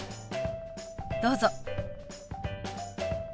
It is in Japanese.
どうぞ。